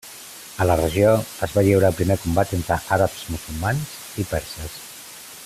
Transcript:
A la regió es va lliurar el primer combat entre àrabs musulmans i perses.